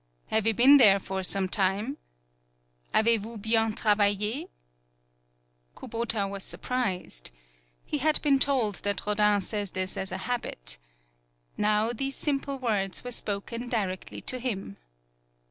"Have you been there for some time?" "Avez vous bien travailU?" 40 HANAKO Kubota was surprised. He had been told that Rodin says this as a habit. Now, these simple words were spoken directly to him.